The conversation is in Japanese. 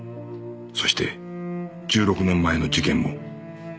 そして１６年前の事件も